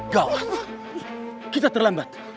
gawat kita terlambat